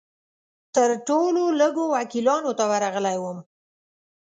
تر ټولو لږو وکیلانو ته ورغلی وم.